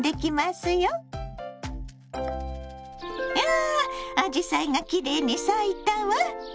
わあアジサイがきれいに咲いたわ。